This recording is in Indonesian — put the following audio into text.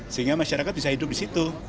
sehingga masyarakat bisa hidup di situ